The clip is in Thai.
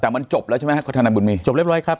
แต่มันจบแล้วใช่ไหมครับทนายบุญมีจบเรียบร้อยครับ